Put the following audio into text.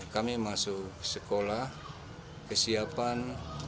kami masuk sekolah kesiapan